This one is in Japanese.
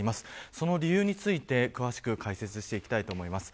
その理由について詳しく解説していきたいと思います。